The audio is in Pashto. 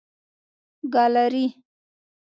ګالري